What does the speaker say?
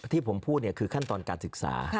ที่ผมพูดคือขั้นตอนการศึกษา